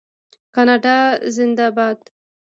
کاناډا زنده باد.